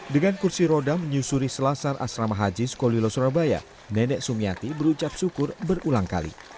dengan kursi roda menyusuri selasar asrama haji sukolilo surabaya nenek sumiati berucap syukur berulang kali